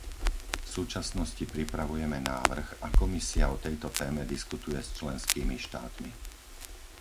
V súčasnosti pripravujeme návrh a Komisia o tejto téme diskutuje s členskými štátmi.